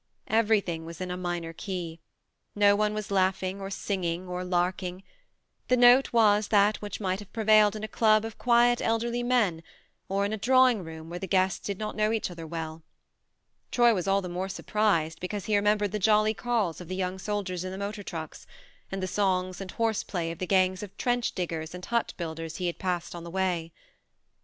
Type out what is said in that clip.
Everything was in a minor key. No one was laughing or singing or larking : the note was that which might have prevailed in a club of quiet elderly men, or in a drawing room where the guests did not know each other well. Troy was all the more surprised because he remembered the jolly calls of the young soldiers in the motor trucks, and the songs and horse play of the gangs of trench diggers and hut builders he had passed on the way.